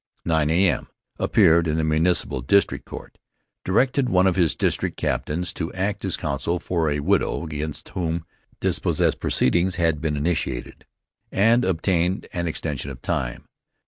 9 A.M.: Appeared in the Municipal District Court. Directed one of his district captains to act as counsel for a widow against whom dispossess proceedings had been instituted and obtained an extension of time.